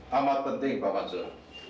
sangat penting pak mansur